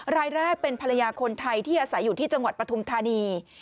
รายแรกเป็นภรรยาคนไทยที่อาศัยอยู่ที่จังหวัดปฐุมธานี